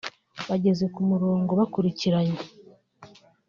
bageze ku murongo bakurikiranye